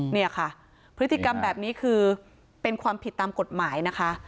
เนี่ยค่ะพฤติกรรมแบบนี้คือเป็นความผิดตามกฎหมายนะคะ